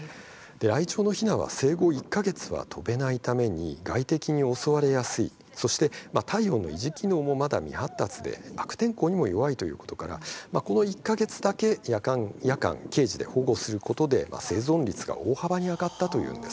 ライチョウのひなは生後１か月は飛べないために外敵に襲われやすいそして体温の維持機能もまだ未発達で悪天候にも弱いということからこの１か月だけ夜間、ケージで保護することで生存率が大幅に上がったというんです。